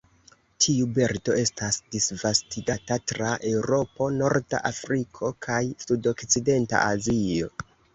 Tiu birdo estas disvastigata tra Eŭropo, norda Afriko kaj sudokcidenta Azio.